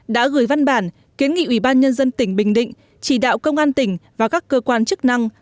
đã gửi văn bản kiến nghị ủy ban nhân dân tỉnh bình định chỉ đạo công an tỉnh và các cơ quan chức năng